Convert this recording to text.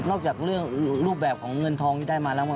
จากเรื่องรูปแบบของเงินทองที่ได้มาแล้ว